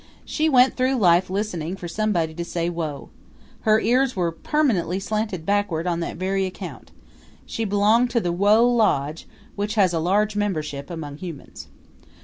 She went through life listening for somebody to say Whoa! Her ears were permanently slanted backward on that very account. She belonged to the Whoa Lodge, which has a large membership among humans.